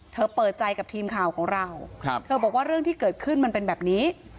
เธอเปิดใจกับทีมข่าวของเราเธอบอกว่าเรื่องที่เกิดขึ้นมันเป็นแบบนี้